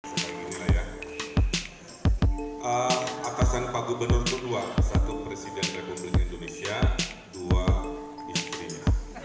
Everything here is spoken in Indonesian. saya ingin nilai ya atasan pak gubernur kedua satu presiden republik indonesia dua istrinya